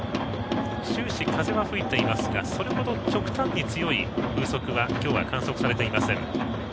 終始風は吹いていますがそれほど極端に強い風速は今日は観測されていません。